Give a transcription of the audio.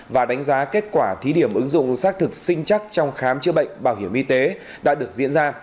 và đánh giá kết quả thí điểm ứng dụng xác thực sinh chắc trong khám chữa bệnh bảo hiểm y tế đã được diễn ra